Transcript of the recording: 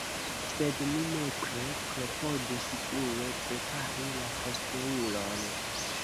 Sed mi nepre klopodus frue prepari la posteulon.